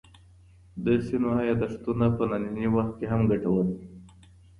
د سینوهه یاداښتونه په ننني وخت کي هم ګټور دي.